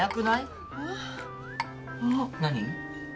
何？